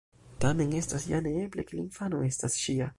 Tamen, estas ja neeble, ke la infano estas ŝia.